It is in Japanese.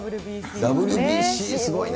ＷＢＣすごいね。